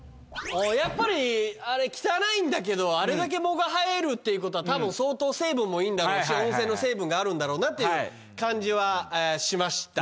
やっぱりあれ汚いんだけどあれだけ藻が生えるっていうことは相当成分もいいんだろうし温泉の成分があるんだろうなっていう感じはしました。